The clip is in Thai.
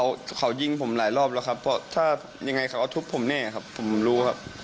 เขาเขายิงผมหลายรอบแล้วครับเพราะถ้ายังไงเขาก็ทุบผมแน่ครับผมรู้ครับ